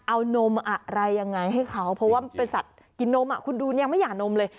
เอานมอะไรยังไงให้เขาเพราะว่าเป็นสัตว์กินนมคุณดูยังไม่หย่านมเลย